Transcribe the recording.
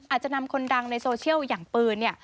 อาจจะนำคนดังในโซเชียลอย่างปืนเนี่ย